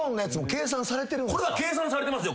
これは計算されてますよ。